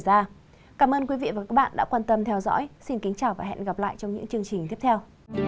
cảm ơn quý vị và các bạn đã quan tâm theo dõi xin kính chào và hẹn gặp lại trong những chương trình tiếp theo